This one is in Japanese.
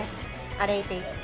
歩いていって。